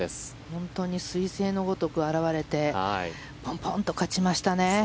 本当にすい星のごとく現れてぽんぽんと勝ちましたね。